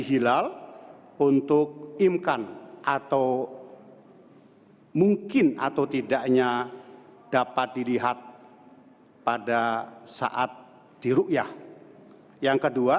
hilal untuk imkan atau mungkin atau tidaknya dapat dilihat pada saat di rukyah yang kedua